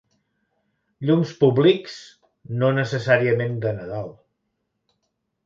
Llums públics, no necessàriament de Nadal.